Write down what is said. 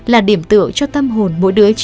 là điểm tựa cho tâm hồn mỗi đứa trẻ